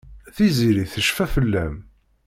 Tiziri tecfa fell-am.